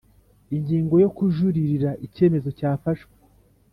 Ingingo yo Kujuririra icyemezo cyafashwe